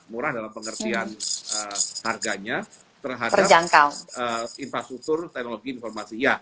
murah dalam pengertian harganya terhadap infrastruktur teknologi informasi